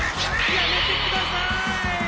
やめてください！